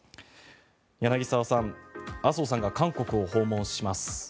柳澤さん麻生さんが韓国を訪問します。